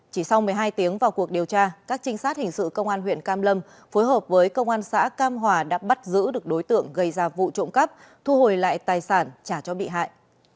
chỉ sau một mươi hai tiếng vào cuộc điều tra các trinh sát hình sự công an huyện cam lâm phối hợp với công an xã cam hòa đã bắt giữ được đối tượng gây ra vụ trộm cắp thu hồi lại tài sản trả cho bị hại